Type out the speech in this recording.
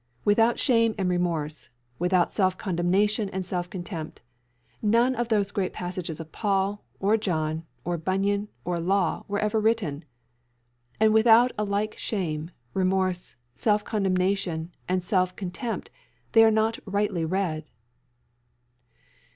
Without shame and remorse, without self condemnation and self contempt, none of those great passages of Paul, or John, or Bunyan, or Law were ever written; and without a like shame, remorse, self condemnation, and self contempt they are not rightly read.